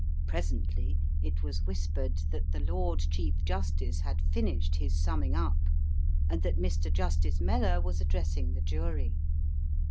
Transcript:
Presently it was whispered that the Lord Chief Justice had finished his summing up, and that Mr. Justice Mellor was addressing the jury.